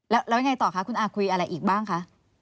แล้วยังไงต่อคะคุณอาคุยอะไรอีกบ้างคะ